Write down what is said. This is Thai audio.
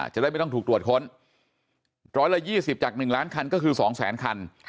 จะได้ไม่ต้องถูกตรวจค้น๑๒๐จาก๑ล้านคันก็คือ๒แสนคัน